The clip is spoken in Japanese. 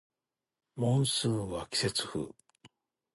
モンスーンは季節風